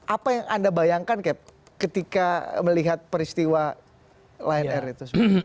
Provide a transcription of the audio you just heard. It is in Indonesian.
apa yang anda bayangkan keb ketika melihat peristiwa line r itu